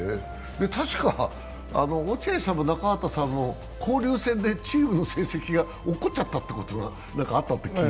落合さんも中畑さんも交流戦でチームの成績が落っこちちゃったということがあった？